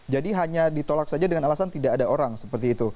jadi hanya ditolak saja dengan alasan tidak ada orang seperti itu